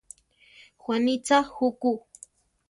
Juanitza juku?